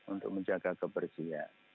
untuk menjaga kebersihan